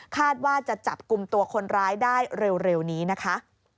ว่าจะจับกลุ่มตัวคนร้ายได้เร็วนี้นะคะ